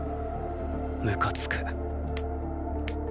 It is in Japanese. むかつく。